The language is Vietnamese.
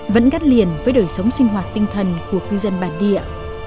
vẫn gắn liền với đời sống sinh hoạt tinh thần của cư dân bản địa